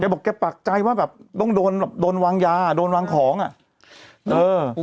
บอกแกปักใจว่าแบบต้องโดนแบบโดนวางยาโดนวางของอ่ะเออ